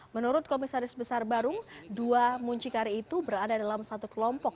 menurut komisaris besar barung dua muncikari itu berada dalam satu kelompok